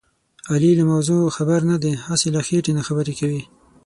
علي له موضوع خبر نه دی. هسې له خېټې نه خبرې کوي.